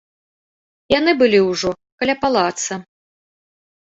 Яны былі ўжо каля палаца.